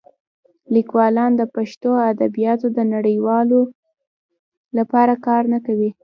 لیکوالان د پښتو ادبیاتو د نړیوالولو لپاره کار نه کوي.